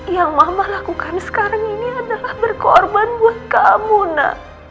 yang mama lakukan sekarang ini adalah berkorban buat kamu nak